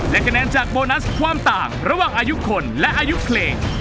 และคะแนนจากโบนัสความต่างระหว่างอายุคนและอายุเพลง